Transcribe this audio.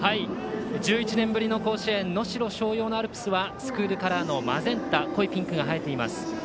１１年ぶりの甲子園能代松陽のアルプスはスクールカラーのマゼンタ濃いピンクが映えています。